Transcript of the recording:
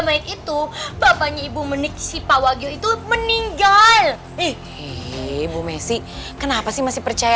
naik itu bapaknya ibu menik si pak wagyu itu meninggal ibu messi kenapa sih masih percaya